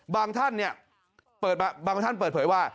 บางท่านเปิดเผยว่า